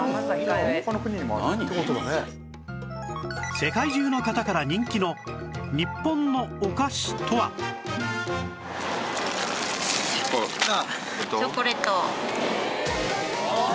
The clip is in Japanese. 世界中の方から人気の日本のお菓子とは？ああ！